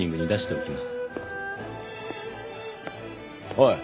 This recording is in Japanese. おい。